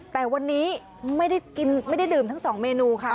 แต่วันนี้ไม่ได้ดื่มทั้งสองเมนูค่ะ